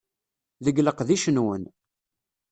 Deg leqdic-nwen.